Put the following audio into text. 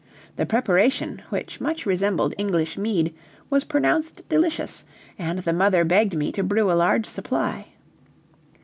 The preparation, which much resembled English mead, was pronounced delicious, and the mother begged me to brew a large supply.